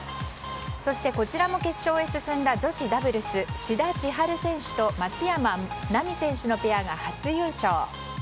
そしてこちらも決勝へ進んだ女子ダブルス志田千陽選手と松山奈未選手のペアが初優勝。